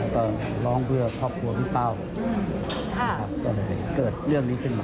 ก็ร้องเพื่อครอบครัวพี่เป้าก็เลยเกิดเรื่องนี้ขึ้นมา